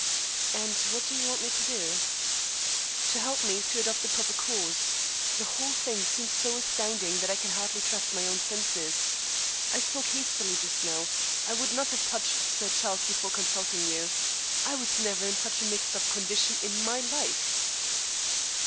"And what do you want me to do?" "To help me to adopt the proper course. The whole thing seems so astounding that I can hardly trust my own senses. I spoke hastily just now. I would not have touched Sir Charles before consulting you. I was never in such a mixed up condition in my life."